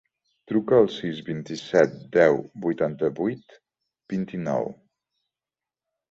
Truca al sis, vint-i-set, deu, vuitanta-vuit, vint-i-nou.